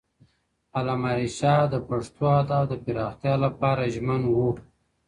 علامه رشاد د پښتو ادب د پراختیا لپاره ژمن وو.